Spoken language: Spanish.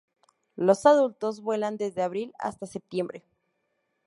Los adultos vuelan desde Abril hasta Septiembre.